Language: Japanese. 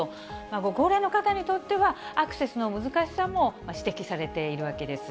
ご高齢の方にとっては、アクセスの難しさも指摘されているわけです。